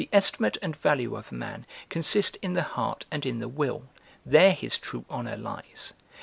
The estimate and value of a man consist in the heart and in the will: there his true honour lies.